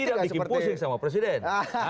dan tidak bikin pusing sama presiden